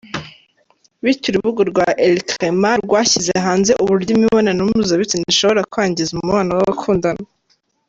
bityo urubuga rwa elcrema rwashyize hanze uburyo imibonano mpuzabitsina ishobora kwangiza umubano w’abakundana.